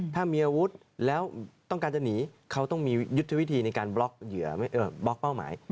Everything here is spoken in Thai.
ถ้ามีอาวุธแล้วต้องการจะหนีเขาต้องมียุทธวิธีในการบล็อกเหยื่อบล็อกเป้าหมาย